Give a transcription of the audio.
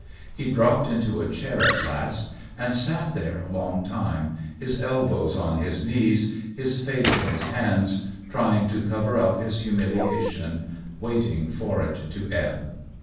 He dropped into a chair at last and sat 84 THE WHEEL OF TIME there a long time, his elbows on his knees, his face in his hands, trying to cover up his humiliation, waiting for it to ebb.